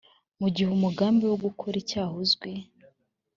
mu gihe umugambi wo gukora icyaha uzwi